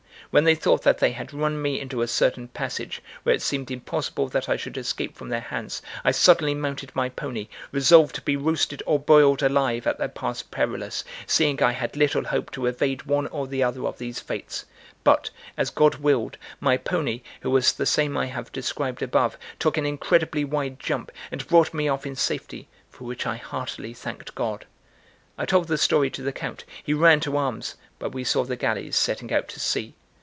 When they thought that they had run me into a certain passage, where it seemed impossible that I should escape from their hands, I suddenly mounted my pony, resolved to be roasted or boiled alive at that pass perilous, seeing I had little hope to evade one or the other of these fates; but, as God willed, my pony, who was the same I have described above, took an incredibly wide jump, and brought me off in safety, for which I heartily thanked God. I told the story to the Count; he ran to arms; but we saw the galleys setting out to sea.